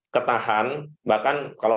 ketahan bahkan kalau